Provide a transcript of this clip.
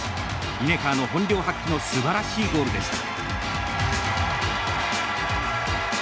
リネカーの本領発揮のすばらしいゴールでした。